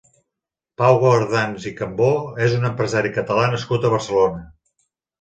Pau Guardans i Cambó és un empresari catalá nascut a Barcelona.